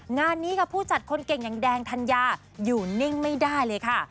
งานนี้ค่ะผู้จัดคนเก่งอย่างแดงธัญญาอยู่นิ่งไม่ได้เลยค่ะ